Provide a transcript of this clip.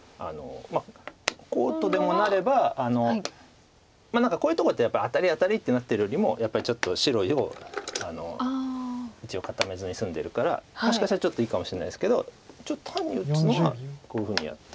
こうとでもなればこういうとこってやっぱりアタリアタリってなってるよりもやっぱりちょっと白地を固めずに済んでるからもしかしたらちょっといいかもしれないですけど単に打つのはこういうふうにやって。